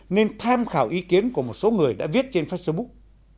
nên tham khảo ý kiến của một số người đã viết trên facebook